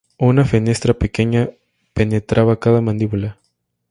Una fenestra pequeña penetraba cada mandíbula.